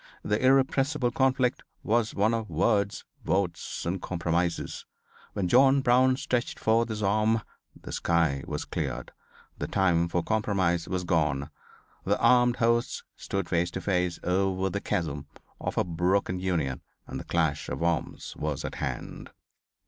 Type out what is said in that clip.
The irrepressible conflict was one of words, votes and compromises. When John Brown stretched forth his arm the sky was cleared, the time for compromise was gone, the armed hosts stood face to face over the chasm of a broken Union and the clash of arms was at hand."